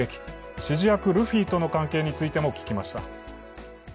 指示役・ルフィとの関係についても聞きました。